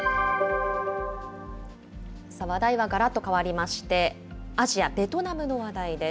話題はがらっと変わりまして、アジア、ベトナムの話題です。